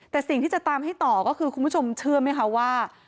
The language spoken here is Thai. แต่สิ่งที่จะตามให้ต่อก็คือคุณผู้ชมเชื่อไหมคะว่า